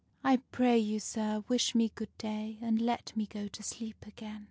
I pray you, sir, wish me good day, and let me go to sleep again.